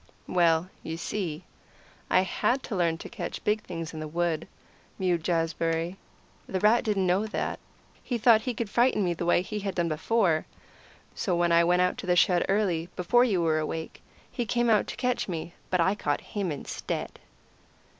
"Well, you see, I had to learn to catch big things in the wood," mewed Jazbury. "The rat didn't know that; he thought he could frighten me the way he had done before. So when I went out to the shed early before you were awake he came out to catch me; but I caught him, instead."